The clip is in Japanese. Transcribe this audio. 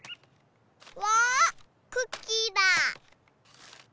わぁクッキーだ！